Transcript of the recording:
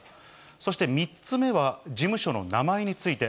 そして、３つ目は事務所の名前について。